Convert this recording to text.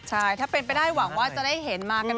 ใช่ถ้าเป็นไปได้หวังว่าจะได้เห็นมากัน